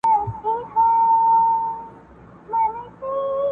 دا ریښتونی تر قیامته شک یې نسته په ایمان کي.